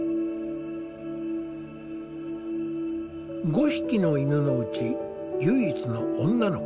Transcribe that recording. ５匹の犬のうち唯一の女の子ナナ。